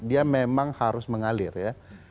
dia memang harus mengalir ya